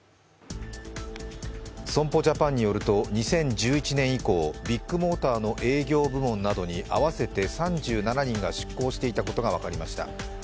損保ジャパンによると２０１１年以降、ビッグモーターの営業部門などに合わせて３７人が出向していたことが分かりました。